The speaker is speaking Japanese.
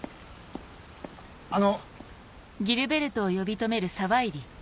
あの。